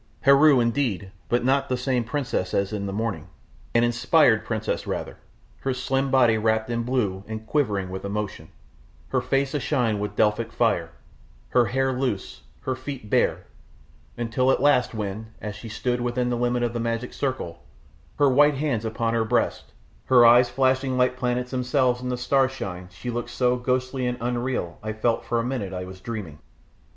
Heru, indeed, but not the same princess as in the morning; an inspired priestess rather, her slim body wrapped in blue and quivering with emotion, her face ashine with Delphic fire, her hair loose, her feet bare, until at last when, as she stood within the limit of the magic circle, her white hands upon her breast, her eyes flashing like planets themselves in the starshine she looked so ghostly and unreal I felt for a minute I was dreaming.